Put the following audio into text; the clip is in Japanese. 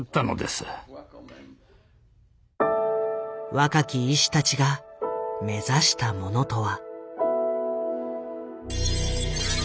若き医師たちが目指したものとは？